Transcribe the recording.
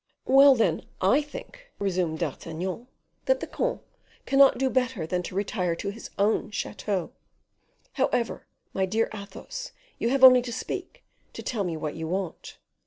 "Well, then, I think," resumed D'Artagnan, "that the comte cannot do better than to retire to his own chateau. However, my dear Athos, you have only to speak, to tell me what you want.